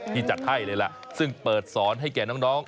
จัดให้เลยล่ะซึ่งเปิดสอนให้แก่น้อง